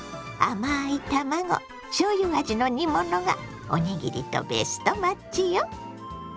甘い卵しょうゆ味の煮物がおにぎりとベストマッチよ！